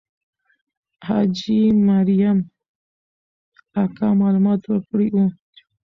حاجي مریم اکا معلومات ورکړي وو.